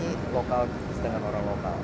jadi lokal dengan orang lokal